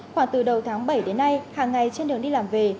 khoảng từ đầu tháng bảy đến nay hàng ngày trên đường đi làm về